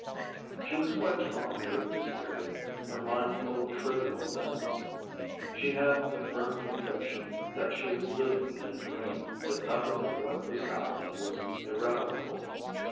She was quite calm during this period, her mind full of trivial things. She had the firm conviction that she was living in a dream, that nothing of what was happening was irrevocable.